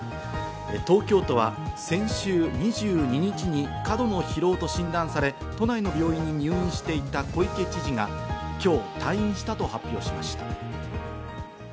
東京都は先週２２日に過度の疲労と診断され、都内の病院に入院していた小池知事が今日退院したと発表しました。